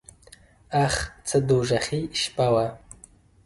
اخ څه دوږخي شپه وه .